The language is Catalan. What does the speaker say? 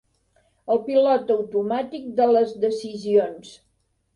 El pilot automàtic de les decisions.